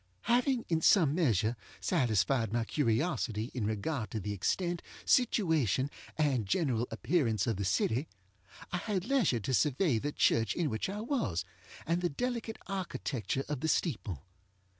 Having, in some measure, satisfied my curiosity in regard to the extent, situation, and general appearance of the city, I had leisure to survey the church in which I was, and the delicate architecture of the steeple.